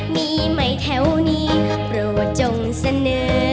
มีไหมแถวนี้โปรดจงเสนอ